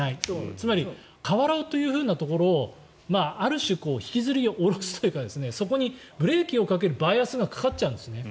つまり、変わろうというところをある種引きずり下ろすというかそこにブレーキをかけるバイアスがかかっちゃうんですね。